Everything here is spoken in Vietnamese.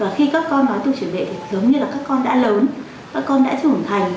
và khi các con nói tục chỉ bệnh thì giống như là các con đã lớn các con đã trưởng thành